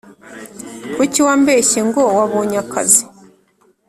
Kuki wambeshyengo wabonye akazi